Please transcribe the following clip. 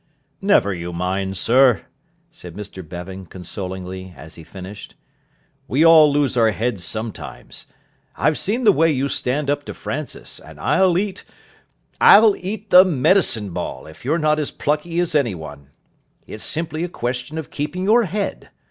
"Never you mind, sir," said Mr Bevan consolingly, as he finished. "We all lose our heads sometimes. I've seen the way you stand up to Francis, and I'll eat I'll eat the medicine ball if you're not as plucky as anyone. It's simply a question of keeping your head.